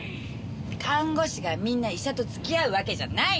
看護師がみんな医者と付き合うわけじゃないの！